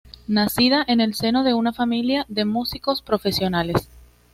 Nacida en el seno de una familia de músicos profesionales.